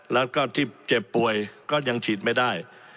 แล้วก็ที่เจ็บป่วยก็ยังฉีดไม่ได้